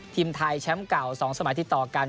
ทีมไทยแชมป์เก่า๒สมัยที่ต่อกัน